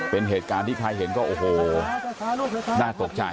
เป็นเหตุการณ์ที่ใครเห็นก็โอ้โหน่าตกใจ